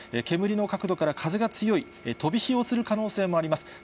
煙の角度から風が強い、飛び火をする可能性もあります。